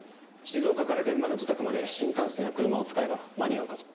静岡から現場の自宅まで新幹線や車を使えば間に合うかと。